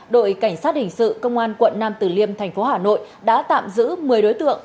đội cảnh sát hình sự công an quận nam tử liêm thành phố hà nội đã tạm giữ một mươi đối tượng